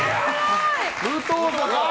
武藤さんだ！